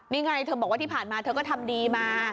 นี่ไงเธอบอกว่าที่ผ่านมาเธอก็ทำดีมา